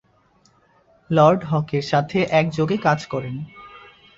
Lord হকের সাথে একযোগে কাজ করেন।